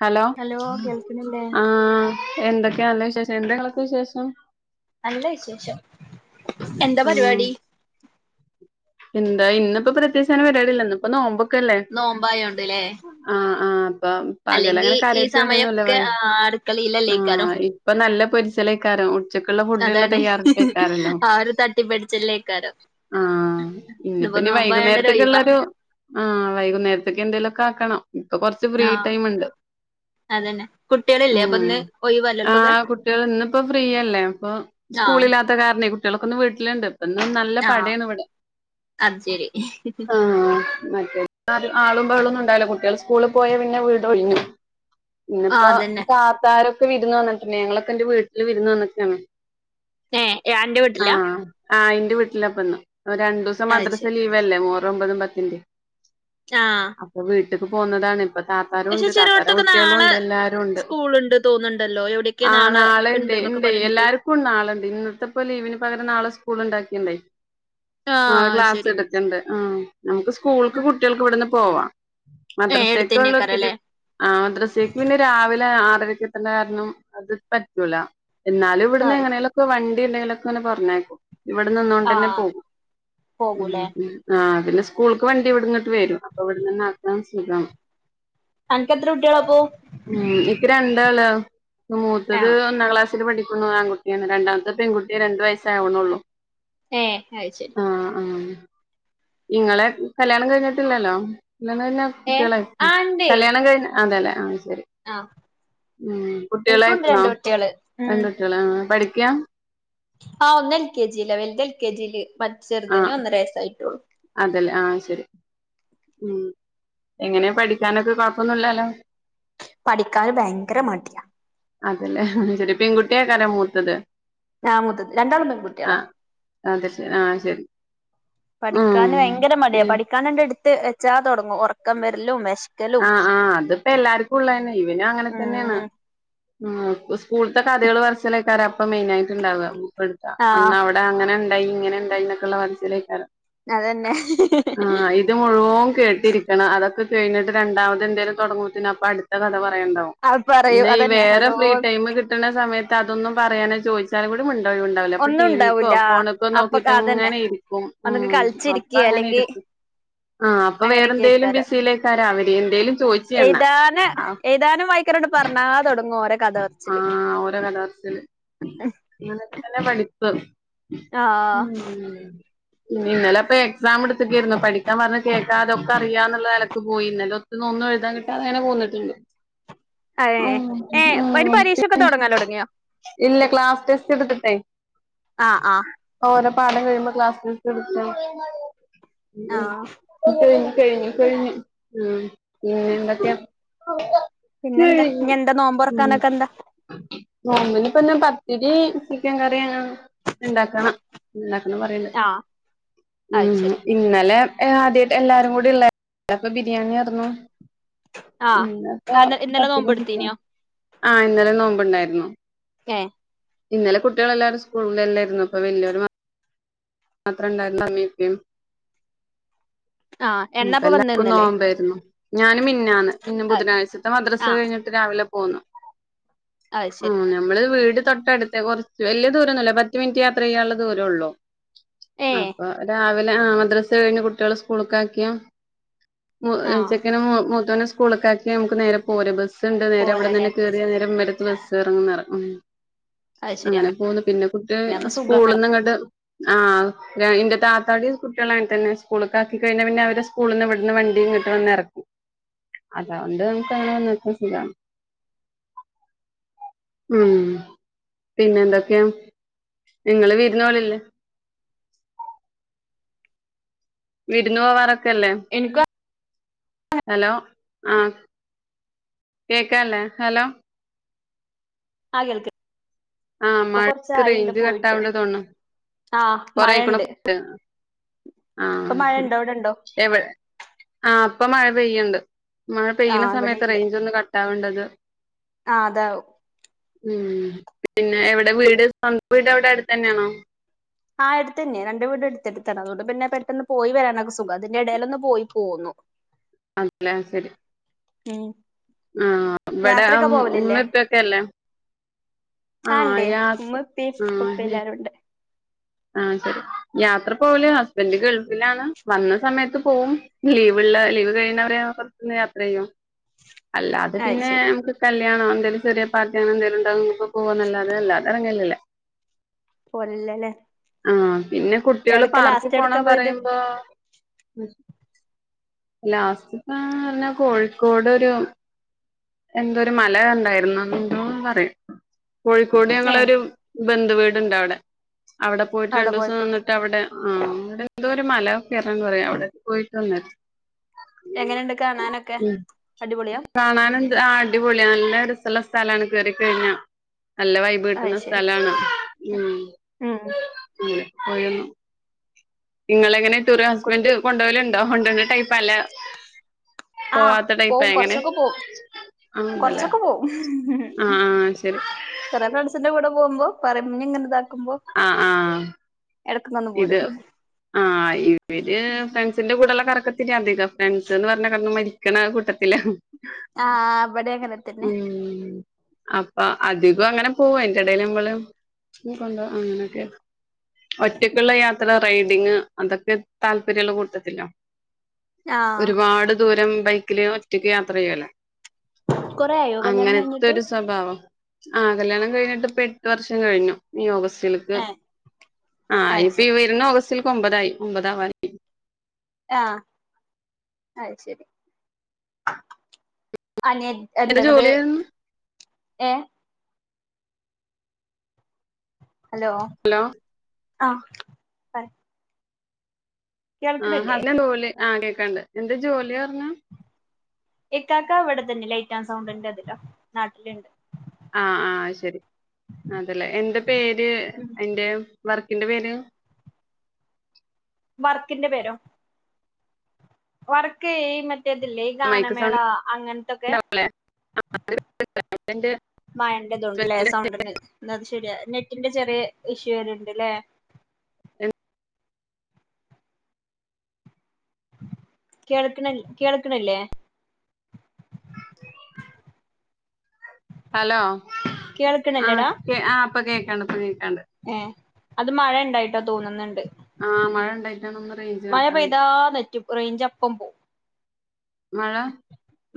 Hello ആ എന്തൊക്കെയാള്ളെ വിശേഷം എന്തെങ്ങളക്ക് വിശേഷം നല്ല വിശേഷം എന്താ ആഹ് പരിപാടി എന്താ ഇന്നിപ്പോ പ്രത്യകിച്ചങ്ങനെ പരിപാടിയില്ല ഇന്നിപ്പ നോമ്പൊ നോമ്പായോണ്ട്ല്ലേ ഇപ്പ അല്ലെങ്കി പകലങ്ങനെ ഈ കാര്യായിട്ട് പണിയൊന്നുമില്ല സമയൊക്കെ ആ ആ അടുക്കളയിലല്ലേക്കാരം ഇപ്പ നല്ല പൊരിച്ചലൈക്കാരം ഉച്ചക്കുള്ള ഫുഡ്ന്ള്ള അതാണ് തയ്യാറാടുപ്പൈകാരല്ലേ ആ ഒരു തട്ടിപ്പടിച്ചല്ലേക്കാരം ആ ഇന്നിപ്പ ഇതിപ്പോ ഇനി നോമ്പായോണ്ട് ഒരു ഒഴിവാ വൈകുന്നേരത്തേക്കൊള്ളൊരു ആ വൈകുന്നേരത്തേക്കെന്തേലുഒക്കെ ആക്കണം ഇപ്പൊ കൊറച്ച് ഫ്രീ ആഹ് ടൈം ഇണ്ട് കുട്ടികളില്ലേ അപ്പം ന്ന് ഒഴി ആ കുട്ടികൾ ഇന്നിപ്പോ ഫ്രീയല്ലേ അപ്പൊ ആഹ് സ്കൂളില്ലാത്ത കാരണെ കുട്ടികളൊക്കെന്നു വീട്ടിലുണ്ട് ഇപ്പൊന്ന് നല്ല ആഹ് പടയാണ് ഇവിടെ. അത് ശരി ആ മറ്റേ ആളും ബഹളൊന്നും ഉണ്ടാവില്ല കുട്ടികള് സ്കൂളിൽ പോയ പിന്നെ വീട് ഒഴിഞ്ഞു. പിന്ന ആഹ് ഇപ്പോ അതന്നെ താത്താരൊക്കെ വിരുന്ന് വന്നിട്ടുണ്ട് ഞങ്ങളൊക്കെ എന്റെ വീട്ടില് വിരുന്ന് വന്നിക്കാണ് ഏ അന്റെ വീട്ടിലാ ആ അന്റെ വീട്ടിലപ്പന്ന് രണ്ടുസം അത് മദ്രസ് ശരി ലീവലേ മുഹറ ഒമ്പതും പത്തിന്റെ ആഹ് ഇക്ക് പോന്നതാണ് അപ്പൊ താത്താരും പക്ഷെ ഉണ്ട് താത്താരും ചെലോടത്തൊക്കെ കുട്ടികളും നാളെ ഉണ്ട് എല്ലാരും ഉണ്ട് സ്കൂളുണ്ട് തോന്നുന്നുണ്ടല്ലോ എവിടെയൊക്കെ ആ നാളെ ഉണ്ട് ഉണ്ട്ന്നൊക്കെ ഇണ്ട് പറയണേട്ട് എല്ലാർക്കും നാളെണ്ട് ഇന്നത്തെപ്പോ ലീവിന് പകരം നാളെ സ് സ്കൂൾ ഉണ്ടാക്കിണ്ടേ നാളെ ആഹ് ക്ലാസ് ശരി എടുത്തിണ്ട് ആ നമുക്ക് സ്കൂൾക്ക് ഏഹ് കുട്ടികൾക്ക് ഇവിടുന്ന് പോവാം മദ്രസേക്ക ഉള്ളു ഒത്തിരി എടുത്തന്നെക്കാരല്ലേ ആ മദ്രസക്ക് പിന്നെ രാവിലെ ആ ഏഴരകെത്തെണ്ട കാരണം അത്പറ്റൂല എന്നാലും ഇവിട്ന്ന് ആഹ് എങ്ങെനെലും ഒക്കെ വ ണ്ടിണ്ടേലൊക്കെ പറഞ്ഞയക്കും ഇവിന്നിന്ന് കൊണ്ടെന്നെ ആഹ് പോവും പോകൂലേ ആ പിന്നെ സ്കൂൾക്ക് വണ്ടി ഇവിടുന്നിട്ട് വരും അപ്പൊ ഇവിടുന്ന്ക്കാണ് സുഖം അനക്കെത്ര കുട്ടികളാപ്പോ ഉം ഇപ്പ രണ്ടാളാ മൂത്തത് ആഹ് ഒന്നാം ക്ലാസ്സിൽ പഠിക്കുന്നു ആൺകുട്ടിയാണ് രണ്ടാമത്തെ പെൺകുട്ടി രണ്ടു വയസ്സാവണള്ളു ഏ അത് ശരി ആഹ് ആ ഇങ്ങളെ കല്യാണം കഴിഞ്ഞിട്ടി ല്ല ല്ലോ കല്യാണം കഴിഞ്ഞ ഏഹ് കുട്ടികളായി ആഹ് ഇണ്ടേ കല്യാണം കഴി അതെലെ ശരി ആഹ് ഉം കുട്ടികള എനിക്കുണ്ട് ആയിക്ക്ണോ രണ്ട് കുട്ടികള് ഉം രണ്ട് കുട്ടികള പഠി ക്കാ പറ്റെ ചെർതിന് ഒന്നര വയസായിട്ടുള്ളൂ ഇതല്ലേ ആഹ് ശരി ഉം എങ്ങനെയ പഠിക്കാനൊക്കെ കൊഴപ്പൊന്നുമില്ലാലോ പഠിക്കാന് ഭയങ്കര മടിയാ അതല്ലേ ഒ ശരി പെൺകുട്ടിയെക്കാര മൂത്തത് ആഹ് മൂത്തത് രണ്ടാളും പെൺകുട്ടികളാ ആഹ അത ശ ആഹ് ശരി ഉം പഠിക്കാാന് ഭയങ്കര മടിയാ പി- പഠിക്കാനണ്ട് എടുത്ത് വെച്ചാ തുടങ്ങും ഉറക്കം വരലും വോഷ ആഹ ആഹ് അതിപ്പോ എല്ലാർക്കുംള്ളതന്നെ ഇവനും അങ്ങനെ തന്നെയാണ് ഉം സ്കൂളത്തെ കഥകൾ വരച്ചിലേക്കാ അപ്പൊ മെയിന ആയിട്ട് ഉണ്ടാവുക അ അവിടെ ആഹ് അങ്ങനെ അവിടെ അങ്ങനെ ഉണ്ടായി ഇങ്ങനെ ഉണ്ടായി എന്നൊക്കെയുള്ള പറച്ചിലേക്കാരം അതന്നെ ആഹ ഇത് മുഴുവൻ കേട്ടിരിക്കണം അതൊക്കെ കഴിഞ്ഞട്ട രണ്ടാമത എന്തേലും തുടങ്ങന്നെ അപ്പൊ അത്ത കഥ പറണ്ടും അത് പറയും പിന്നെ ഈ അതന്നെ വേറെ ഓരോ ഫ്രീ ടൈം കിട്ടുന്ന സമയത്ത് അതൊന്നും പറയാനോ ചോദിച്ചാലും കൂടി മി ഴ ഉണ്ടാവല അപ്പൊ ഒന്നും ടിീ വിിക്കോ ഉണ്ടാവൂല ഫോണക്കോ അപ്പൊ നോക്കിട്ട് അതന്നെ അങ്ങനെ ഇരിക്കും ഉ ഒന്നെങ്കി അപ്പ കളിച്ചിരിക്കേ അങ്ങനെ അല്ലെങ്കി ഇരിക്കും ആ അപ്പൊ വേറെ എന്തേലും അങ്ങനെയൊക്കെക്കാരം ബിസിയിലേക്കാര അവര് എന്തും ചോദിച് ചൊന എഴുതാന് എഴുതാനും വായിക്കാനോട് പറഞ്ഞാ തൊടങ്ങും ഓരോ കഥ പറച്ചില് ആഹ ഓല കഥ പറച്ചില് അങ്ങനൊക്കെ തന്നെ പഠിപ്പ ആഹ് ഉം ഉ ഇന്നലെപ്പൊ എക്സാം എടുത്തക്കായിരുന്നു പഠിക്കാൻ പറഞ്ഞഞ് കേക്കാ അതൊക്കെ അറിയാ എന്നുള്ള നിലലക്ക് പോയി ഇന്നലെ ഒ ഒന്നും എഴുതാൻ കട്ട അങ്ങെ പോന്നിട്ടുോ അത ഏ അന് പരീക്ഷൊക്കെ തുടങ്ങാലോ തുടങ്ങിയോ ഇല്ല ലാ ടെസ്റ്റ് എടുട്ട ആഹ് ആഹ് ഓ പാടം കഴിയുമ്പോ ക്ലാസ്ൽസ് ആഹ് [unintelligible] കഴിഞ്ഞു കഴിഞ്ഞു ഉ പിന്നെന്തൊക്കെയ കഴിഞ്ഞു ഉം കനക്കന്ത [unintelligible] പത്തിരി ചിക്കൻ കറിയ ഉണ്ടാക്കണം ഉണ്ടാക്കണം പറയിട് ആഹ് അത് ശരി ഇന്നലെ നല്ല ആദ്യമായിട്ട് എല്ലാരും കൂടി ഉള്ള ഇപ്പൊ ബിരിയാണി ആന്നു ആഹ് ഉ അപ്പൊ അന്ന് ഇന്നലെ പത്തിരി [unintelligible] നോമ്പെടുത്തീനോ ആഹ ഇന്നലെ നോമ്പണ്ടായിരുന്നു ഏഹ് ഇന്നലെ കുട്ടികൾെല്ലാരും സ്കൂളില എല്ലായിരുന്നു അപ്പൊ വല്യൊരു മാത്ര ഇണ്ടായിരുന്ന ഇമ്മായിപ്പാ ആഹ് പ്പ എണ്ണപ്പൊ വന്ന് എല്ലാർക്കും ഇന്നലെ നോകുമ്പായിരുന്നു ഞാന് മിനിയാന്ന് പിന്നെ അത് ബുധനാഴ്ചത്തെ മദ്രസ് ആഹ് കഴിഞ്ഞിട്ട് രാവിലെ പോന്നു അത് ആ ശരി ഞമ്മള് വീട് തൊട്ടടുത്ത് കുറച്ച് വലിയ ദൂരൊന്നുമല്ല പത്ത് മിനിറ്റ് യാത്ര ചെയ്യാനുള്ള ദൂരോള്ളൂ ഏഹ് അപ്പൊ രാവിലെ ആ മദ്രസ് കഴിഞ്ഞ് കുട്ടികള് സ്കൂള്ക്കാ ആക്കിയോ ആഹ് ചെക്കനെ മുത്തോന സ്കൂള്ക്കാആക്കി നമുക്ക് നേരെ പോര ബസില് നേരെ അവിട പോരല്ലേ തന്നെ കയറിയ നേരെ ഉമ്മറത്ത് ബസ് ഇറങ്ങും അത് ശരി അങ്ങനെ പോകുന്നു പിന്നെ കുട്ടി അങ്ങനെയാവുമ്പോ സ്കൂളിൽ സുഖാണ് നിന്ന് ഇങ്ങോട്ട് ആഹ് എന്റെ താത്താടി കുട്ടികൾ അങ്ങനെ തന്നെ സ്ക്കൂളിലൊക്കെ ആക്കികഴിഞ്ഞാൽ പിന്നെ അവരെ സ്കൂളിൽ നിന്ന് ഇവിടുന്ന് വണ്ടി ഇങ്ങോട്ട് വന്ന് ഇറക്കും അതൊണ്ട് നമുക്ക് അങ്ങനെ വന്ന് നിക്കാൻ സുഖാണ് ഉം പിന്നെ എന്തൊക്കെയാ നിങ്ങള് വിരുന്ന് പോകലില്ലേ വിരുന്നു പോവാ റകെ ല്ലേ എനിക്കും ഹലോ ആഹ കേക്ക്ല്ലേ ഹലോ ആ കേൾക്ക് ആഹ് ഇപ്പൊ കൊറച്ച മഴക്ക് ആയിണ്ട് റേഞ്ച് പോയിട്ട് കട്ടാവണ്ട് തോന്നുണു ആഹ മഴയുണ്ട് ആഹ എവടെ ആ ഇപ്പ മഴ പെയ്യേണ്ട് മഴ പെയ്യണ ആഹ് സമയത്ത് റേഞ്ച് ഒന്ന് കട്ട ആവേണ്ടത് ആ അതാവും ഉം പിന്നെ എവിടെ വീട് സ്വന്തം വീട് എവിടെ അടുത്ത് തന്നെയാണോ ആഹ അടുത്ത്തന്നെ രണ്ട് വീട് അടുത്ത്അടുത്താണ് അതുകൊണ്ട് പിന്നെ പെട്ടന്ന് പോയി വരാനൊക്ക സുഖം അതിന്റെഇടയിലൊന്ന് പോയി പോന്നു അതെ ല്ലേ ശരി ഉം ആ ഇവിടെ യാത്രയൊക്കെ ഉമ്മ, ഉപ്പക്കെ ഇല്ലേ ആണ്ടേ ഉമ്മ, ഉപ്പി ഉപ്പോം എല്ലരു ഉണ്ട് ആ ശരി യാത്ര പോവല് ഹസ്ബൻഡ് ഗൾഫിലാണ് വന്ന സമയത്ത് പോവും ലീവ് ഇള്ള ള്ള ലീവ് കയ്യിണവരെ പൊറത്തൊന്ന് യാത്ര ചെയ്യും അല്ല അത് പിന്നെ നമുക്ക് കല്യാണം എന്തങ്കിലും ചെറിയ പാർട്ടിയങ്ങനെ എന്തങ്കിലും ഉണ്ടാകുമ്പോ പോവാന്നല്ലാതെ അല്ലാതെ ഇറങ്ങലില്ല പോവലില്ലല്ലേ ആഹ് പിന്നെ കുട്ടികള് എവിടക്കാ പാർക്കിൽ ലാസ്റ്റ് എവിടക്കാ പോണം പോയത് പറയുമ്പോ ലാസ്റ്റ്പ്പം ന്നാ കോഴിക്കോട് ഒരു എന്തൊരു മല കണ്ടായിരുന്നു എന്തോന്ന് പറയും കോഴിക്കോട് ഏ ഞങ്ങളൊരു ബന്ധുവീടുണ്ട് അവിടെ അവിടെ പോയിട്ട് രണ്ടു ദിവസം നിന്നിട്ട് അവിടെ ആഹ് അവിടെ എന്തോ ഒരു മല [unintelligible] പറയും അവിടെ പോയിട്ട് വന്നെയാ എങ്ങനെയുണ്ട് കാണാനൊക്കെ ഉം അടിപൊളിയാ കാണാനെന്ത് അടിപൊളിയാ നല്ല ഒരു നല്ല സ്ഥലാണ് കേറിക്കഴിഞ്ഞാ നല്ല വൈബ് കിട്ടുന്ന സ്ഥലാണ് ഉം ആഹ് ഉം പോയി വന്നു നിങ്ങളെങ്ങനെ ടൂർ ഹസ്ബന്റ് കൊണ്ടോവലുണ്ടോ കൊണ്ടോണ ടൈപ്പാ അല്ലേ ആ പോവാത്ത ടൈപ്പാ പോവും എങ്ങനെ കൊറച്ചൊക്കെ പോവും അങ്ങനെണ്ടല്ലേ കൊറച്ചൊക്കെ പോവും ആഹ് ആഹ് ശരി കൊറെ ഫ്രണ്ട്സിന്റെ കൂടെ പോകുമ്പോ പറീം എന്നെങ്ങനെ ഇതാക്ക് ആഹ് ആഹ് ഒന്ന് ഇത് പോരും ആഹ് ഇവര് ഫ്രണ്ട്സിന്റെ കൂടെള്ള കറക്ക [unintelligible] അധികം ഫ്രണ്ട്സ് എന്ന് പറഞ്ഞാ കെടന്ന് മരിക്കണ കൂട്ടത്തിലാ ആഹ് ഇവടേം അങ്ങനെത്തന്നെയാ ഉം അപ്പൊ അധികോം അങ്ങനെ പോവും അയിന്റെ എടയിൽ നമ്മള് [unintelligible] കൊണ്ടോവും അങ്ങനൊക്കെയാ ഒറ്റക്കുള്ള യാത്ര റൈഡിങ് അതൊക്കെ താല്പര്യമുള്ള കൂട്ടത്തിലാ ആ ഒരുപാട് ദൂരം ബൈക്കില് ഒറ്റക്ക് യാത്ര ചെയ്യുവല്ലോ കൊറേ ആയോ കല്യാണം കഴിഞ്ഞിട്ട് അങ്ങനെത്തൊരു സ്വഭാവം ആഹ് കല്ല്യാണം കഴിഞ്ഞിട്ട് ഇപ്പൊ എട്ട് വർഷം കഴിഞ്ഞു ഈ ഓഗസ്റ്റിലേക്ക് ഏ ആഹ് അത് ഇപ്പൊ ഈ ശരി വരുന്ന ഓഗസ്റ്റിലേക്ക് ഒമ്പതായി ഒമ്പതാവാനായി ആഹ് അത് ശരി അനിയത്ത് എന്താ എന്താങ്ങട് ജോലിയായിരുന്നു ഏ ഹലോ ഹലോ ആഹ് പറ ആഹ് കേൾക്കണില്ലേ [unintelligible] ആ കേക്കാണ്ട് എന്താ ജോലി പറഞ്ഞെ ഇക്കാക്ക ഇവിടെ തന്നെ ലൈറ്റ് ആൻഡ് സൗണ്ടിന്റെ ഇതിലാ നാട്ടിലുണ്ട് ആഹ് ആഹ് അത് ശരി അതല്ലേ എന്താ പേര് ഉം അതിൻ്റെ വർക്കിന്റെ പേര് വർക്കിന്റെ പേരോ വർക്ക് ഈ മറ്റേ മറ്റേതില്ലേ ഈ മൈക്ക് ഗാനമേള സൗണ്ട് അങ്ങനത്തൊക്കെ ഉണ്ടാവുല്ലേ എന്റെ മയൻ്റെത് കൊണ്ട് ല്ലേ സൗണ്ടിന് [unintelligible] ശരിയാ നെറ്റിന്റെ ചെറിയ ഇഷ് [unintelligible] ണ്ട്ല്ലേ എ കേൾക്കണ് കേൾക്കണില്ലേ ഹലോ ആഹ് കേൾക്കണില്ലേടാ കേ ഇപ്പൊ കേക്കാണ്ട് ഇപ്പൊ കേക്കാണ്ട് ഏഹ് അത് മഴ ഉണ്ടായിട്ടോ തോന്നുന്നുണ്ട് ആ മഴ ഉണ്ടായി മഴ പെയ്താ നെറ്റും റേഞ്ചപ്പം പോവും മഴ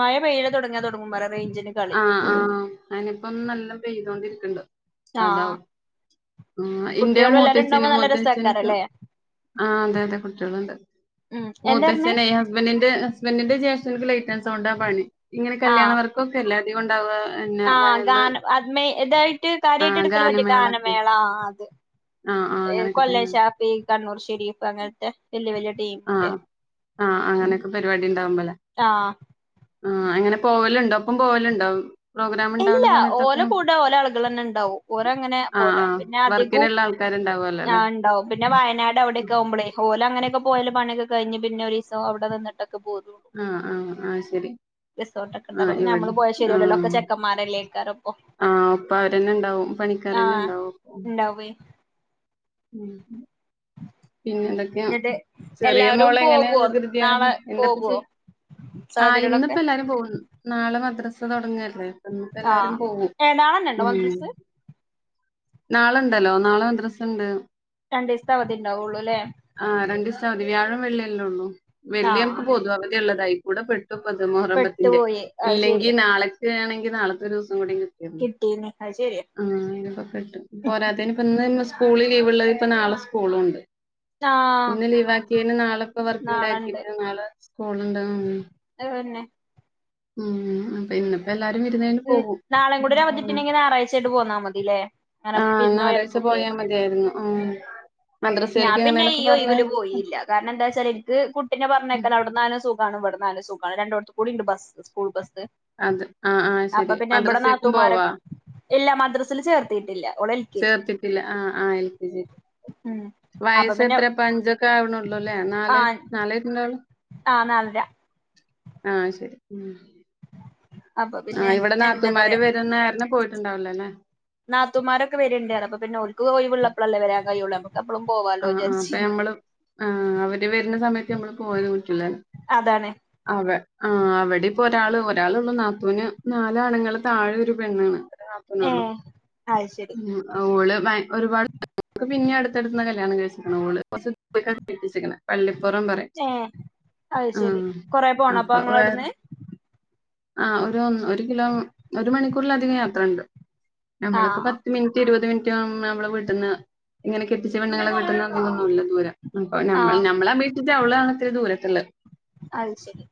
മഴ പെയയില തുടങ്ങ ആ ആ അയിനിപ്പൊ നല്ല പെയ്തൊണ്ടിരിക്കണ്ടോ ആഹ് അതാവും ഇന്റെ കുട്ടികളും എല്ലാരും ഉണ്ടാവുമ്പോ മൂത്തച്ന് നല്ല മൂത്തച്ച്ന്ക്ക് രസാക്കാരല്ലേ ആ അതെ അതെ കുട്ടിച്ചോളൂണ്ട് ഉം എന്താ പറഞ്ഞേ മൂത്തച്ഛന ഹസ്ബൻഡന്റെ ഹസ്ബൻഡിന്റെ ജെസ്ട്ടൻക് ലൈസസൊൻണ്ടാ പണി ഇങ്ങനെ കല്യാണവർക്കൊ ഒക്കെല്ല അധിക ഉണ്ടാവ ആ ഗാനഅ ത് മേ ഇതായിട്ട് കാര്യമായിട്ട് ആഹ് എടുക്കൽ മറ്റ ഗാനമേളൊക്കെ ഗാനമേള ആ അത് ആഹ് ആഹ് അങ്ങനൊക്കെ കൊല്ലം തന്നെയാണ്. ഷാഫി കണ്ണൂർ ഷെരീഫ് അങ്ങനത്തെ വലിയ വലിയ ആ ആഅങ്ങനൊക്കെ പരിപാടി ഉണ്ടാവുമ്പല്ലേ ആഹ് ആ അങ്ങനെ പോവലുണ്ടോ ഒപ്പം പോവലുണ്ടോ ഇല്ല ഓല കൂടെ ഓല ആളുകൾ തന്നെ ഉണ്ടാവും ഓര അങ്ങനെ പോല ആഹ് പിന്നെ അധികവും വർക്കിന്ള്ള ആൾക്കാര്ണ്ടാവല്ലോ ആ ഉണ്ടാവും പിന്നെ വയനാട് ല്ലേ. അവിടെയൊക്കെ ആവുമ്പോളേ ഹോല അങ്ങനെ ഒക്ക പോയല് പണിയൊക്കെ കഴിഞ് പിന്നെ ഒരീസംഅവിടെ നിന്നിട്ട്ഒക്കെ ക്കെ പൊന്നു ആഹ് ആഹ് ആഹ് ശരി റിസോർ ഒക്കെണ്ട് ആഹ് അപ്പ ഇവിടെ നമ്മൾ പോയൽ ശരിയവുല്ലല്ലോ ഒക്കെ ആഹ് ചെക്ക കമാരെ ലേക്കരം ഒപ്പം ആഹ് അപ്പ അവരന്നെ ഉണ്ടാവും അ പണിക്കാരന്നെ ഉണ്ടാവും അപ്പൊ ഇണ്ടാവേ ഉം പിന്നെ എന്തൊക്കെയാ എന്നിട്ട് ചെറിയ എല്ലാരും മോള എങ്ങനെയ പോകുവോ വികൃതി നാളെ എന്തൊപ്പ പോകുവോ ചെയ ആ സഹോദരികളൊക്കെ ഇന്നിപ്പോ എല്ലാരും പോക്കും നാളെ മദ്രാസ തുടങ്ങല്ലേ ഇന്ന് പ്പ എല്ലാരും ആഹ് പോവും ഏ നാളെന്നെ ഉണ്ടോ ഉം മദ്രസ് നാളണ്ടല്ലോ നാളെ മദ്രസുണ്ട് രണ്ട് ദിവസത്തെ അവധി ഉണ്ടാവുള്ളൂ അല്ലേ ആ രണ്ടു ദിവസ അവധി വ്യാഴം വെള്ളിയെല്ലേ ഉള്ളൂ വെള്ളി ആഹ് നമുക്ക് പൊതുവ അവതി ഉള്ളതായികൂടെ പെട്ട പ്പ ത് മുഹറം പത്തിന്റെ പെട്ടുപോയി അത് ഇല്ലെങ്കിൽ ശരിയാ നാളെക്ക ആണെങ്കിൽ നാളെത്തെരു ത്തും കൂടി കിട്ടിനു കിട്ടീന്ന് അത് ശരിയാ ആയിലൊക്കെ പെട്ടു പോരാത്തിന്പ്പഇന്ന് സ് സ്കൂൾ ലീവള്ളത് ഇപ്പ നാളെ സ്കൂളും ഉണ്ട് ആ ഇന്ന് ലീവ് ആക്കിയെന് നാളെ അപ്പോ വർക്കിംഗ് ഡേ നാളെണ്ട് ആക്കിട്ട് നാളെ സ്കൂളോണ്ടെന്ന് തോന്നു പിന്നെ മം പിന്നെ ഇപ്പോല എല്ലാരും വിരുന്ന് കഴിഞ്ഞ് ഉം പോവും നാളെയും കൂടി ഒരു അവധി കിട്ടീനെങ്കി ഞായറാഴ്ചയായിട്ട് പോന്നാ മതില്ലേ അങ്ങനെ ആ ഞായറാഴ്ച വിരുന്നോയർക്കൊക്കെ പോയൽ [inaudible] മതിയായിരുന്നു ഉം ഹെ ഞാൻ പിന്നെ ഈ ഒഴിവില് പോയില്ല കാരണം എന്താ വച്ചാല് എനിക്ക് കുട്ടിനെ പറഞ്ഞേക്കണം അവിടുന്ന് ആണ് സൂ ഖാണ് ഇവിടുന്ന് ആയാലും സുഖാണ് രണ്ടോടത്തും കൂടി ഉണ്ട് ബസ് സ്കൂൾ ബസ് അത് ആഹ് ആഹ് അപ്പൊ ശരി പിന്നെ ഇവിടെ മദ്രസേക്കും നാത്തൂമാര് പോവാ ഇല്ല മദ്രസില് ചേർത്തിട്ടില്ല ഓള് എൽകെജി ചേർത്തിട്ടില്ല ആഹ് ആഹ് എൽ കെ ജി മം വയസ്സ് എത്ര ഇപ്പൊ അഞ്ചൊക്കെ ആവണള്ളൂല്ലേ നാല് നാല അ നാലര ആ ശരി മം അപ്പൊ ആ പിന്നെ ഇവിടെ എന്താ നാത്തുമാര് വരുന്ന കാരണം പോയിട്ടുണ്ടാവുല്ലാല്ലേ നാത്തുമാരൊക്കെ വരുണ്ടേന്ന് പറഞ്ഞ് അപ്പൊ പിന്നെ ഓല്ക്ക് ഒഴിവുള്ളപ്പഴല്ലെ വരാൻ കഴിയൊള്ളൂ നമ്മക് ആ ആ അപ്പൊ ഞമ്മള് ആ അവര് വരുണ സമയത്ത് ഞമ്മള് പോയാനും പറ്റുല്ലലെ അതാണ് അതെ ആ അവിടെ ഇപ്പോ ഒരാള് ഒരാളെയുള്ളൂ നാത്തൂന് നാല് ആണുങ്ങള് താഴെ ഒരു പെണ്ണാണ് ഒരു നാത്തൂനുള്ളുമ് ഏഹ് അത് ശരി ഓള് [unintelligible] ഒരുപാട് [inaudible] പിന്നെ അടുത്തടുത്ത് കല്യാണം കഴിച്ചേക്കണേ ഓള് കൊരച് ദുരകാ കെട്ടിച്ചേക്കണേ പള്ളി പുറം പറയും ഏഹ് അത് ആ ശരി കൊറെ പോണോ അപ്പൊ വേ ഇങ്ങളവിടുന്ന് ആ ഓരോന്ന് ഒരു കിലോ ഒരു മണിക്കൂറിലധികം യാത്ര ഇണ്ട് നമ്മളക്ക് ആഹ് പത്ത് മിനിറ്റ് ഇരുപത് മിനിറ്റ് നമ്മടെ വീട്ടിന്ന് ഇങ്ങനെ കെട്ടിച്ച പെണ്ണുങ്ങളെ വീട്ടിന്ന് അധികം ഒന്നുമില്ല ദൂരം അപ്പം ആഹ് നമ്മളെ വീട്ടിത്തെ അവളാണ് ഇത്തിരി ദൂരത്തുള്ളേ അത് ശരി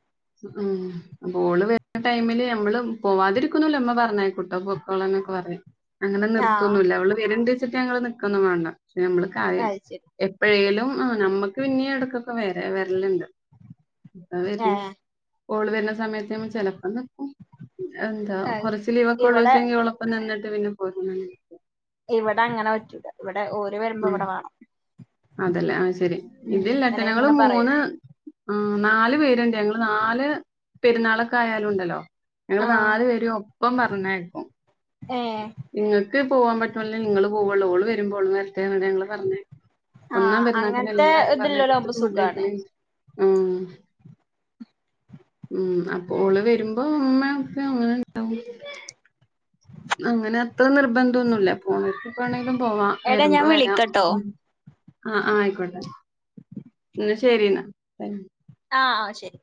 മ് അപ്പൊ ഓള് വരുന്ന ടൈമില് ഞമ്മള് പോവാതിരിക്കുന്നുല്ല ഇമ്മ പറഞ്ഞയിക്കൂട്ടോ പൊക്കോളാനൊക്കെ പറയും അങ്ങനെ ആഹ് നിർത്തൊന്നുല്ല അവള് വരണ്ട് വെച്ചിട്ട് ഞങ്ങള് നിൽക്കൊന്നും വേണ്ട പക്ഷെ നമ്മള് ക അത് ശരി എപ്പോഴേലും ആ നമ്മുക്ക് പിന്നെ എടക്കൊക്കെ വരാ വരലുണ്ട് [unintelligible] ഏഹ് ഓള് വരുന്ന സമയത്ത് ഞമ്മ ചെലപ്പം നിക്കും എന്താ അത് ശരി കൊറച്ച് ലീവൊക്കെ ഉള്ള ഇവിടെ ദിവസോങ്കി ഓള്ളൊപ്പം നിന്നിട്ട് പിന്നെ [unintelligible] ഇവിടെ അങ്ങനെ പറ്റൂല്ല ഇവിടെ ഓര് വരുമ്പോ ഉം ഇവിടെ വേണം അതല്ലേ ആ ശെരി ഉം ഇതിലിട്ട അല്ലെങ്കി ഞങ്ങള് ഇങ്ങനെ പറയും മൂന്ന് ആ നാല് പേരുണ്ട് ഞങ്ങള് നാല് പെരുന്നാള- ക്കെയാലും ഉണ്ടല്ലോ ഞങ്ങള് ആഹ് നാല് വരും ഒപ്പം പറഞ്ഞയക്കും ഏഹ് നിങ്ങൾക്ക് പോവാൻ പറ്റുമല്ല നിങ്ങള് പോവുള്ളൂ ഓള് വരുമ്പോ ഓള് വര ട്ടെ ഞങ്ങള് പറഞ്ഞ ഒന്നാം ആഹ് പെരുന്നാൾക്ക് അങ്ങനത്തെ എല്ലാരും പറഞ്ഞേ ഇതില്ലോലാവുമ്പോ സുഖാണ് [unintelligible] ആ ഉം അപ്പോ ഓള് വരുമ്പോ ഇമ്മ ഒക്കെ അങ്ങനെണ്ടാവും അങ്ങനെ അത്ര നിർബന്ധം ഒന്നുല്ല പോണവർക്ക് എപ്പം വേണേലും പോവാ എടാ ഞാൻ വരുമ്പോ വരാം വിളിക്കട്ടോ ആ ആ ആയിക്കോട്ടെ എന്നാ ശരിന്നാ ആ ആ ശരി